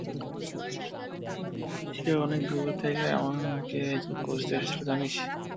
সে অনেক দূর থেকে আমাকে খুঁজতে এসেছিল, জানিস?